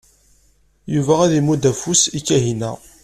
Yuba ad imudd afus i Kahina.